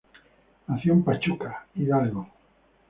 Nació en Pachuca, Hidalgo.